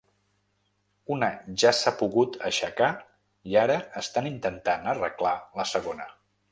Una ja s’ha pogut aixecar i ara estan intentant arreglar la segona.